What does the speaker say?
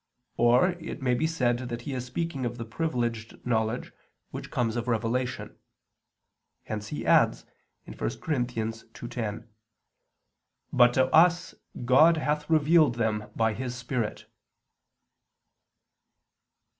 Or it may be said that he is speaking of the privileged knowledge, which comes of revelation. Hence he adds (1 Cor. 2:10): "But to us God hath revealed them by His Spirit."